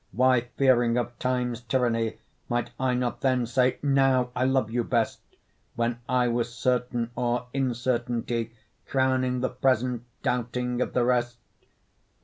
why fearing of Time's tyranny, Might I not then say, 'Now I love you best,' When I was certain o'er incertainty, Crowning the present, doubting of the rest?